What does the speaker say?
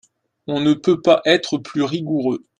On ne peut pas être plus rigoureux.